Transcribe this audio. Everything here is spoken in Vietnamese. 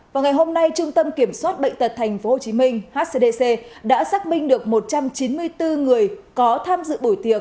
vào ngày hôm nay trung tâm kiểm soát bệnh tật tp hcm hcdc đã xác minh được một trăm chín mươi bốn người có tham dự buổi tiệc